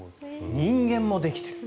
人間もできてる。